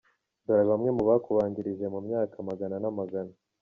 Dore bamwe mu bakubanjirije mu myaka amagana namagana.